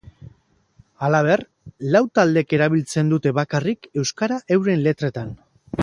Halaber, lau taldek erabiltzen dute bakarrik euskara euren letretan.